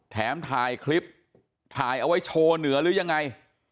แถมถ่ายคลิปถ่ายเอาไว้โชว์เหนือหรือยังไง